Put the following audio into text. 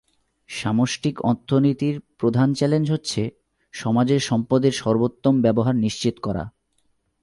সামষ্টিক অর্থনীতির প্রধান চ্যালেঞ্জ হচ্ছে, সমাজের সম্পদের সর্বোত্তম ব্যবহার নিশ্চিত করা।